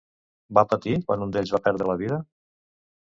Va patir, quan un d'ells va perdre la vida?